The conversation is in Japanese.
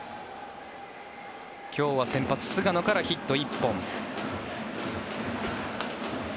今日は先発、菅野からヒット１本。